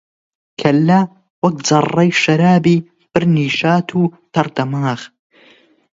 کەللە وەک جەڕڕەی شەرابی پر نیشات و تەڕ دەماغ